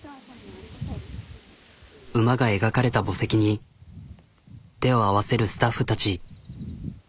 馬が描かれた墓石に手を合わせるスタッフたち。